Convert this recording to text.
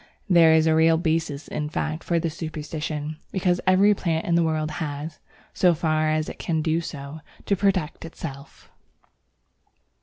There is a real basis in fact for this superstition, because every plant in the world has, so far as it can do so, to protect itself.